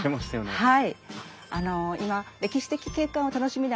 はい。